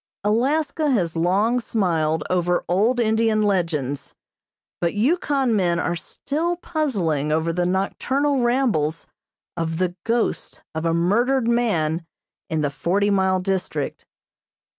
Alaska has long smiled over old Indian legends, but Yukon men are still puzzling over the nocturnal rambles of the ghost of a murdered man in the Forty Mile District.